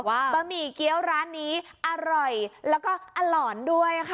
บะหมี่เกี้ยวร้านนี้อร่อยแล้วก็อลอนด้วยค่ะ